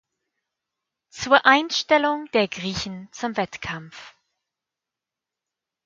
Zur Einstellung der Griechen zum Wettkampf".